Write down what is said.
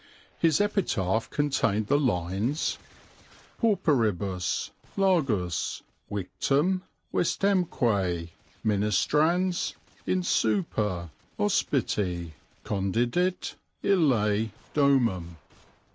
His epitaph contained the lines _Pauperibus largus, victum, vestemque ministrans Insuper Hospitii condidit ille domum.